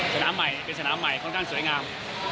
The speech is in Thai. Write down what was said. สนามใหม่เป็นสนามใหม่ค่อนข้างสวยงาม